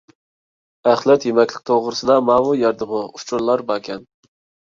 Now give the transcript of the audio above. ئەخلەت يېمەكلىك توغرىسىدا ماۋۇ يەردىمۇ ئۇچۇرلار باركەن.